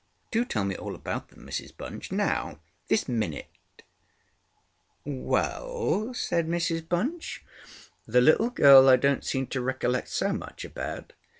Do tell me all about them, Mrs BunchŌĆönow, this minute! ŌĆØ ŌĆ£Well, ŌĆØ said Mrs Bunch, ŌĆ£the little girl I donŌĆÖt seem to recollect so much about.